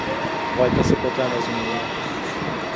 Vlajka se poté nezměnila.